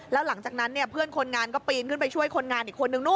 แล้วหลังจากนั้นเนี่ยเพื่อนคนงานก็ปีนขึ้นไปช่วยคนงานอีกคนนึงนู่น